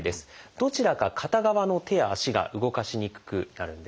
どちらか片側の手や足が動かしにくくなるんです。